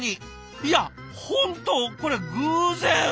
いや本当これ偶然。